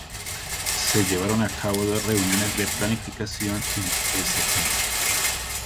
Se llevaron a cabo dos reuniones de planificación en St.